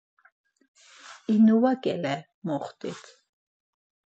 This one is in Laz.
inuva ǩele moxtit.